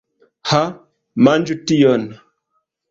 Ha, manĝu tion!